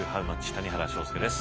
谷原章介です。